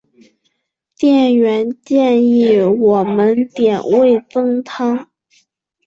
店员建议我们点味噌汤